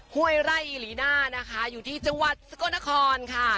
ห้วยไร่อิลีน่านะคะอยู่ที่จังหวัดสกลนครค่ะ